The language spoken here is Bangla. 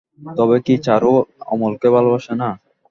তবে কি চারু অমলকে ভালোবাসে না।